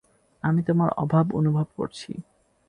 আমি তোমার অভাব অনুভব করছি।